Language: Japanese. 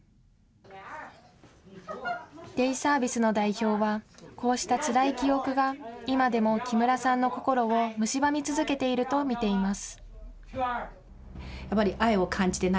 デイサービスの代表は、こうしたつらい記憶が今でも木村さんの心をむしばみ続けていると見ています。